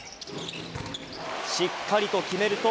しっかりと決めると、